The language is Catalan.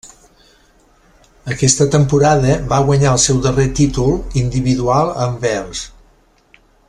Aquesta temporada va guanyar el seu darrer títol individual a Anvers.